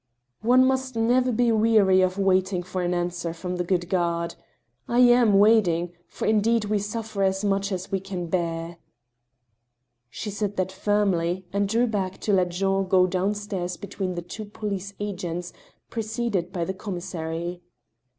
" One must never be weary of waiting for an answer from the good God. I am waiting — ^for indeed we suffer as much as we can bear." She said that firmly, and drew back to let Jean go down stairs between the two police agents, preceded by the commissary.